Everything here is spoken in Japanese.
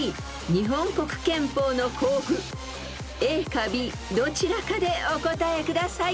［ＡかＢどちらかでお答えください］